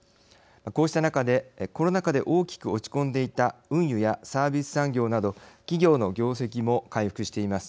こうした中でコロナ禍で大きく落ち込んでいた運輸やサービス産業など企業の業績も回復しています。